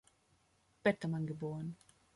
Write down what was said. Bettermann geboren.